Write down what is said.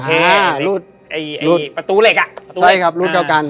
อ่าโอเครูดประตูเหล็กอะใช่ครับรูดเข้ากัน